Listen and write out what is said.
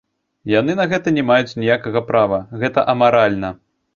Яны на гэта не маюць ніякага права, гэта амаральна.